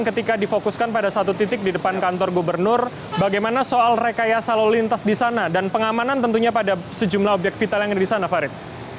ketika difokuskan pada satu titik di depan kantor gubernur bagaimana soal rekayasa lalu lintas di sana dan pengamanan tentunya pada sejumlah obyek vital yang ada di sana farid